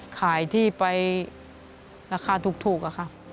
ขายที่ไปราคาถูกอะค่ะ